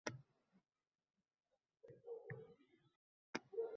Yana, masalan, Sssr paytidayoq biz tomonlarda kamdan-kam odam go‘shtni magazindan sotib olardi